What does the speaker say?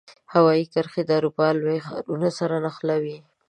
هوایي کرښې د اروپا لوی ښارونو سره نښلوي.